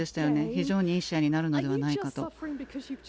非常にいい試合になるのではないかと。